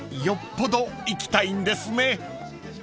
［よっぽど行きたいんですね］